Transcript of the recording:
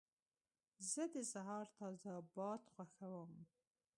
زه د سهار تازه باد خوښوم.